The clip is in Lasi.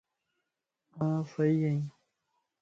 آن سئي ائين